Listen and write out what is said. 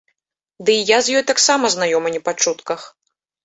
Дый я з ёй таксама знаёмы не па чутках.